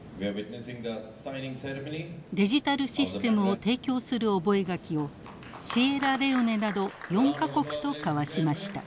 デジタル・システムを提供する覚書をシエラレオネなど４か国と交わしました。